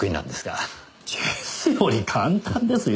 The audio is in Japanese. チェスより簡単ですよ。